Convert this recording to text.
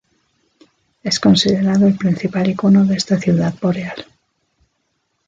Es considerado el principal icono de esta ciudad boreal.